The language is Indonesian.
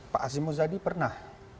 pak azim muzadi pernah